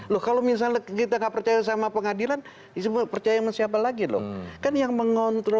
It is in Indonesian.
loh kalau misalnya kita nggak percaya sama pengadilan disebut percaya sama siapa lagi loh kan yang mengontrol